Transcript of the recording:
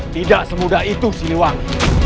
tidak semudah itu sini wang